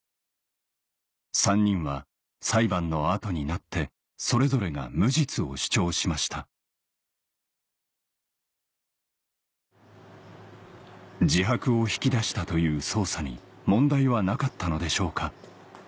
３人は裁判の後になってそれぞれが無実を主張しました自白を引き出したという捜査に問題はなかったのでしょうか？